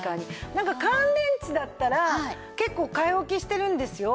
なんか乾電池だったら結構買い置きしてるんですよ。